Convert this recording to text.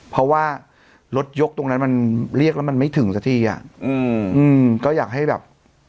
เพราะว่ารถยกตรงนั้นมันเรียกแล้วมันไม่ถึงสักทีอ่ะอืมก็อยากให้แบบ